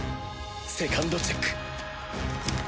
セカンドチェック！